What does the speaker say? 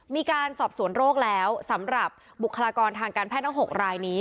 มีการสอบสวนโรคแล้วสำหรับบุคลากรทางการแพทย์ทั้ง๖รายนี้